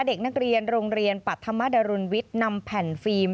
เด็กนักเรียนโรงเรียนปรัฐธรรมดรุนวิทย์นำแผ่นฟิล์ม